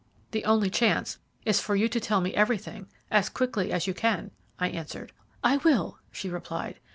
"The only chance is for you to tell me everything as quickly as you can," I answered. "I will," she replied.